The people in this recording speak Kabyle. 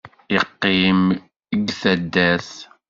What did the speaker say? Yeqqim g taddart.